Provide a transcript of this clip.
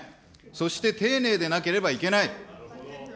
そして丁寧でなければいけない。